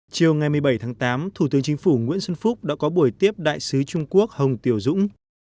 chiều ngày một mươi bảy tháng tám thủ tướng chính phủ nguyễn xuân phúc đã có buổi tiếp đại sứ trung quốc hồng tiểu dũng